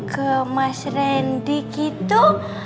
ke mas randy gitu